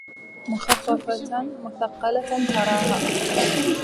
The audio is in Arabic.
مخففة مثقلة تراها